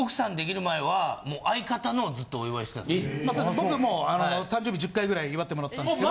僕も誕生日１０回ぐらい祝ってもらってたんですけど。